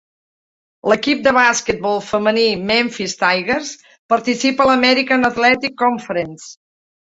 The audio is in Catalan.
L"equip de basquetbol femení Memphis Tigers participa a l"American Athletic Conference.